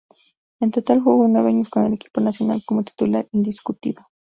En total jugó nueve años con el equipo nacional como titular indiscutido.